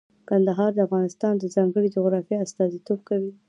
کندهار د افغانستان د ځانګړي جغرافیه استازیتوب کوي.